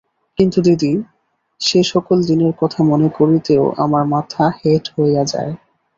কিন্তু দিদি, সে-সকল দিনের কথা মনে করিতেও আমার মাথা হেঁট হইয়া যায়।